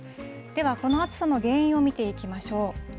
では、この暑さの原因を見ていきましょう。